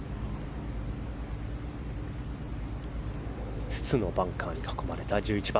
５つのバンカーに囲まれた１１番。